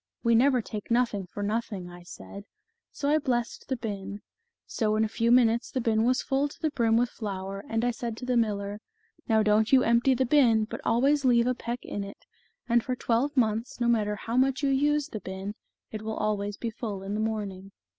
'We never take nothing for nothing,' I said, so I blessed the bin : so in a few minutes the bin was full to the brim with flour, and I said to the miller, ' Now don't you empty the bin, but always leave a peck in it, and for twelve The Fairy of the Dell. 39 months, no matter how much you use the bin, it will always be full in the morning.'